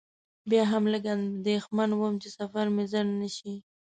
بیا هم لږ اندېښمن وم چې سفر مې خنډ نه شي.